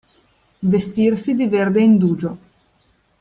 Vestirsi di verde indugio.